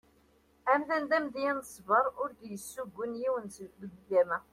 Amdan d amedya n ṣsber ur d-yessugun yiwen deg ugama.